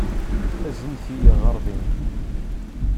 Aznet-iyi ɣer din.